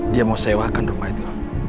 dia mau sewakan rumah itu